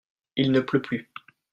Il ne pleut plus.